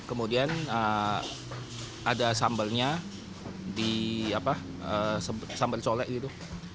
kemudian ada sambelnya sambel colek gitu